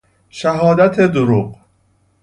شهادت دروغ